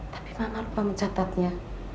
tapi mama lupa mencatatnya